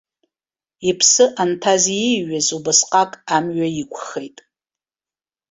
Иԥсы анҭаз ииҩыз убасҟак амҩа иқәхеит.